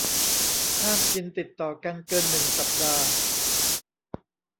ห้ามกินติดต่อกันเกินหนึ่งสัปดาห์